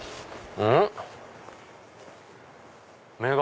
うん？